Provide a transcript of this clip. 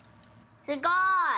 すごい！